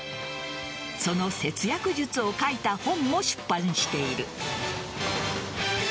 その節約術を書いた本も出版している。